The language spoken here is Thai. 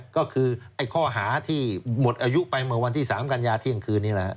ก็คือข้อหาที่หมดอายุไปเมื่อวันที่๓กันยาเที่ยงคืนนี้แหละ